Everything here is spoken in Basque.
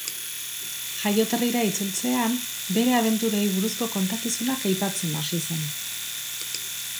Jaioterrira itzultzean, bere abenturei buruzko kontakizunak aipatzen hasi zen.